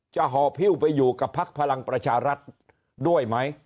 จะหอบฮิวไปอยู่กับภักดิ์พลังประชาลักษณ์ด้วยไหม